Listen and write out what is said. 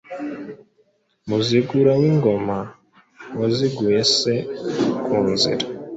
Muzigura w’ingoma Waziguye se ku nzira,